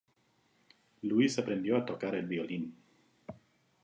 Louis aprendió a tocar el violín.